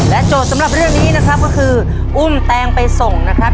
โจทย์สำหรับเรื่องนี้นะครับก็คืออุ้มแตงไปส่งนะครับ